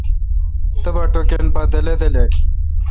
تبا ٹُکن پا دلے° دلے°